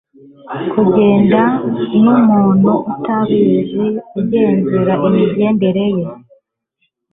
kugenda ku muntu atabizi, ugenzure imigendere ye